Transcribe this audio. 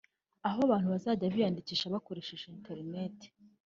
aho abantu bazajya biyandikisha bakoresheje interineti